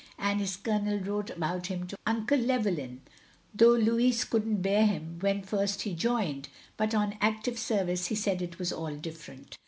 And his Colonel wrote about him to Uncle Llewelljm — ^though Louis could n't bear him when first he joined, but on active service he said it was all different.